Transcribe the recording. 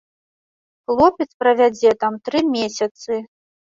Хлопец правядзе там тры месяцы.